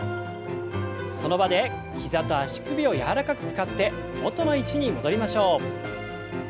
その場で膝と足首を柔らかく使って元の位置に戻りましょう。